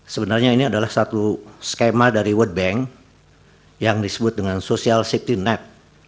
sebenarnya ini adalah satu skema dari world bank yang disebut dengan social safety net